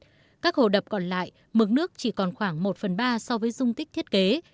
trong các hồ đập còn lại mức nước chỉ còn khoảng một phần ba so với dung tích thiết kế